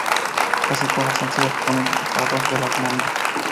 Casi todos han sido actualmente separados de las momias.